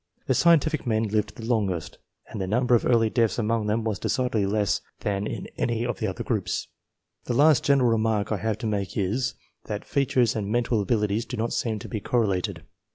The scientific men lived the longest, and the number of early deaths among them was decidedly less than in any of the other groups. The last general remark I have to make is, that features and mental abilities do not seem to be correlated.